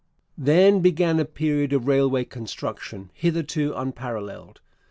Then began a period of railway construction hitherto unparalleled.